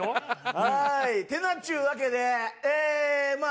はーい！ってなっちゅうわけでえーまあ